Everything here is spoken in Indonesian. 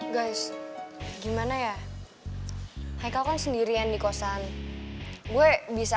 guys gimana ya michael kan sendirian di kosan gue bisa